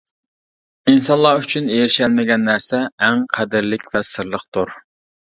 ئىنسانلار ئۈچۈن ئېرىشەلمىگەن نەرسە ئەڭ قەدىرلىك ۋە سىرلىقتۇر!